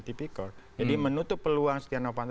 tipikor jadi menutup peluang setia novanto